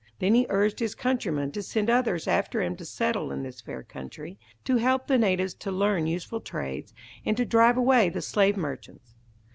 Then he urged his countrymen to send others after him to settle in this fair country, to help the natives to learn useful trades, and to drive away the slave merchants.